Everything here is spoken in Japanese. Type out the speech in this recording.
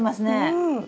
うん！